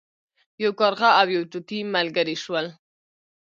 یو کارغه او یو طوطي ملګري شول.